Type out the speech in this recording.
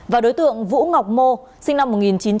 và đối tượng vũ ngọc mô sinh năm một nghìn chín trăm sáu mươi bốn